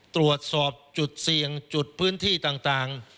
ตรวจสอบจุดเสี่ยงจุดพื้นที่ต่าง